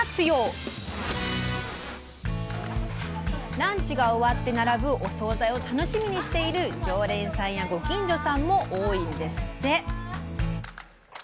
ランチが終わって並ぶお総菜を楽しみにしている常連さんやご近所さんも多いんですって。